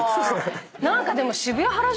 何かでも。